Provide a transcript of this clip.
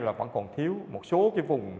vẫn còn thiếu một số cái vùng